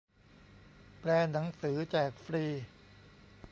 แปลหนังสือแจกฟรี